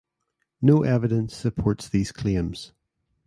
No evidence supports these claims.